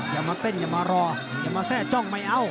อย่ามาเต้นอย่ามารออย่ามาแทร่จ้องไม่เอา